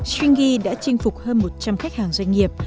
stringy đã chinh phục hơn một trăm linh khách hàng doanh nghiệp